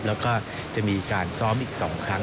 แล้วก็จะมีการซ้อมอีก๒ครั้ง